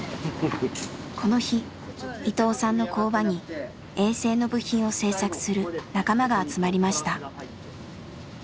この日伊藤さんの工場に衛星の部品を製作する仲間が集まりました。